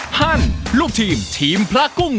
ฮั่นลูกทีมทีมพลากุ้งไป